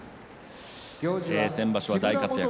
先場所、大活躍。